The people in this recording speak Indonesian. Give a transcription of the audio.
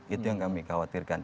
itu yang kami khawatirkan